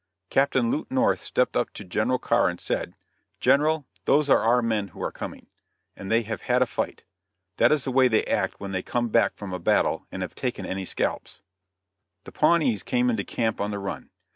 Captain Lute North stepped up to General Carr and said: "General, those are our men who are coming, and they have had a fight. That is the way they act when they come back from a battle and have taken any scalps." The Pawnees came into camp on the run.